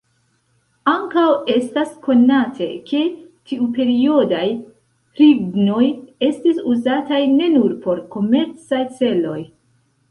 Ankaŭ estas konate, ke tiuperiodaj hrivnoj estis uzataj ne nur por komercaj celoj.